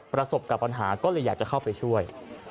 ประสบกับปัญหาก็เลยอยากจะเข้าไปช่วย